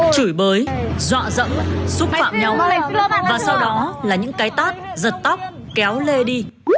chửi bới dọa dẫm xúc phạm nhau và sau đó là những cái tát giật tóc kéo lê đi